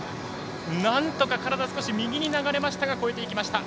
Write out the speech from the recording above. なんとか体、少し右に流れましたが越えていきました。